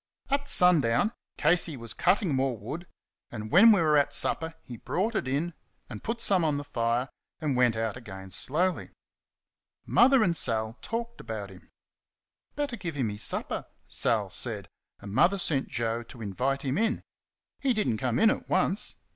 At sundown Casey was cutting more wood, and when we were at supper he brought it in and put some on the fire, and went out again slowly. Mother and Sal talked about him. "Better give him his supper," Sal said, and Mother sent Joe to invite him in. He did n't come in at once.